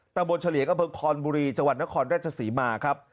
ต่างบนเฉลี่ยก็คือคอนบุรีจังหวัดนครแรกษศรีมาครับ